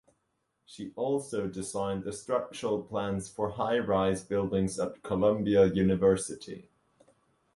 She also designed the structural plans for high rise buildings at Columbia University.